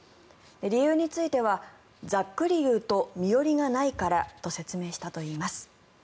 理由についてはざっくり言うと身寄りがないからと説明したといいます。